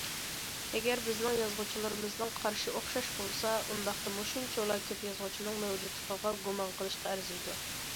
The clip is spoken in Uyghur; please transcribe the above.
ئەگەر بىزنىڭ يازغۇچىلىرىمىزنىڭ قارىشى ئوخشاش بولسا، ئۇنداقتا مۇشۇنچىۋالا كۆپ يازغۇچىنىڭ مەۋجۇتلۇقىغا گۇمان قىلىشقا ئەرزىيدۇ.